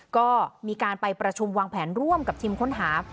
ก็มีการไปประชุมวางแผนร่วมกับทีมค้นหา